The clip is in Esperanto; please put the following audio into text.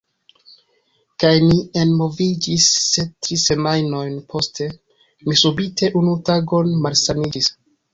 Kaj ni enmoviĝis, sed tri semajnojn poste, mi subite unu tagon malsaniĝis.